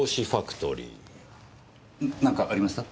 何かありました？